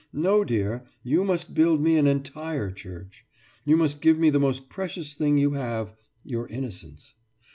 No, dear, you must build me an entire church. You must give me the most precious thing you have, your innocence.